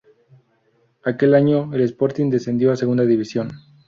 Aquel año el Sporting descendió a Segunda División.